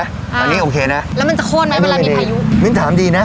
อันนี้โอเคนะแล้วมันจะโค้นไหมเวลามีพายุมิ้นถามดีนะ